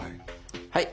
はい。